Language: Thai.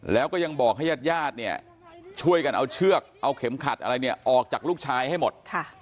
แล้วก็ยังบอกให้ญาติญาติเนี่ยช่วยกันเอาเชือกเอาเข็มขัดอะไรเนี่ยออกจากลูกชายให้หมด